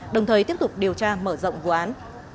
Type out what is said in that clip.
đồng thời tiếp tục điều tra mở rộng vụ án